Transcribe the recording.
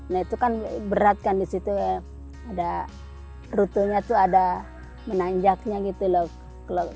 nah itu kan berat kan di situ ada rutunya itu ada menanjaknya gitu loh